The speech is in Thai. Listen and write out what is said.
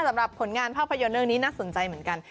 สำหรับผลงานภาคไฟยนเนอร์นี้น่าสนใจเหมือนกัน